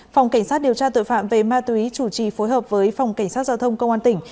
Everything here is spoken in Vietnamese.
phòng cảnh sát điều tra tội phạm về ma túy chủ trì phối hợp với phòng cảnh sát giao thông công an tỉnh